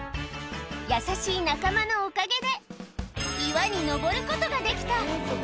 優しい仲間のおかげで、岩に上ることができた。